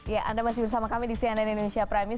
ya anda masih bersama kami di cnn indonesia prami